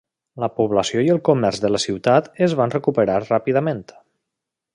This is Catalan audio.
La població i el comerç de la ciutat es van recuperar ràpidament.